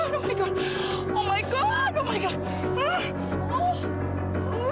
dia mau beli anda gitu